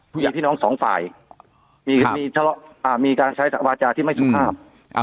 ผู้หญิงที่น้องสองฝ่ายครับอ่ามีการใช้วาจาที่ไม่สุขภาพอ่า